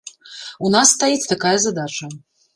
У нас стаіць такая задача.